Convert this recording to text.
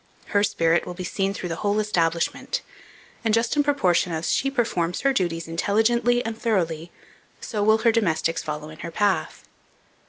Her spirit will be seen through the whole establishment; and just in proportion as she performs her duties intelligently and thoroughly, so will her domestics follow in her path.